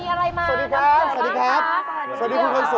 อ้าวแล้ว๓อย่างนี้แบบไหนราคาถูกที่สุด